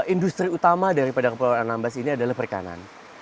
industri utama dari kabupaten anambas ini adalah perikanan